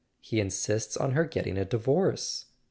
He insists on her getting a divorce."